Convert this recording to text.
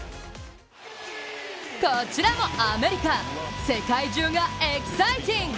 こちらもアメリカ、世界中がエキサイティング！